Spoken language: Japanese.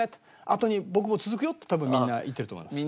「あとに僕も続くよ」って多分みんな言ってると思います。